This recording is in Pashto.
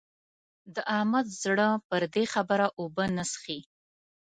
د احمد زړه پر دې خبره اوبه نه څښي.